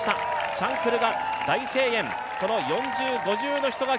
シャンクルが大声援、この４０、５０の人垣。